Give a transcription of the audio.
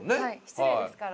失礼ですから。